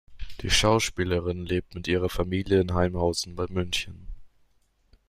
Die Schauspielerin lebt mit ihrer Familie in Haimhausen bei München.